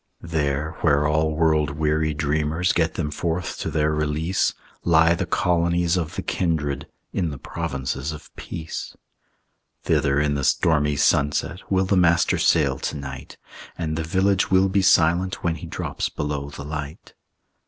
There where all world weary dreamers Get them forth to their release, Lie the colonies of the kindred, In the provinces of peace. Thither in the stormy sunset Will the Master sail to night; And the village will be silent When he drops below the light.